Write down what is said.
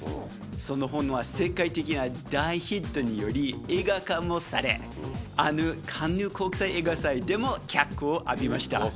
その本は世界的な大ヒットにより、映画化もされ、あのカンヌ国際映画祭でも脚光を浴びました。